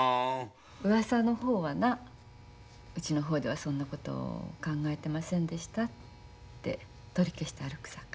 うわさの方はなうちの方ではそんなこと考えてませんでしたって取り消して歩くさか。